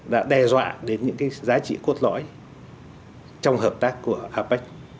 đã đe dọa đến những cái giá trị cốt lõi trong hợp tác của apec